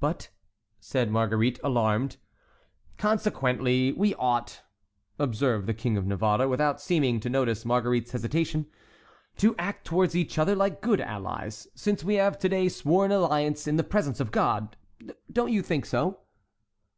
"But—" said Marguerite, alarmed. "Consequently, we ought," observed the King of Navarre, without seeming to notice Marguerite's hesitation, "to act towards each other like good allies, since we have to day sworn alliance in the presence of God. Don't you think so?"